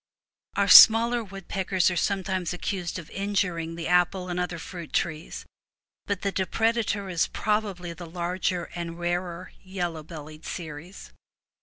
Our smaller woodpeckers are sometimes accused of injuring the apple and other fruit trees, but the depredator is probably the larger and rarer yellow bellied species.